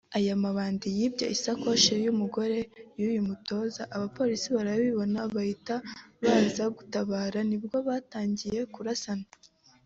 Aya mabandi yibye isakoshi y’umugore w’uyu mutoza abapolisi barabibona bahita baza gutabara nibwo batangiye kurasana